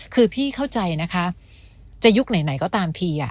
คือพี่เข้าใจนะคะจะยุคไหนก็ตามที